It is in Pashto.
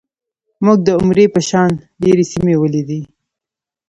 موږ د عمرې په مهال ډېرې سیمې ولیدې.